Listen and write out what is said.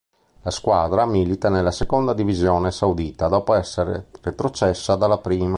La squadra milita nella seconda divisione saudita dopo essere retrocessa dalla prima.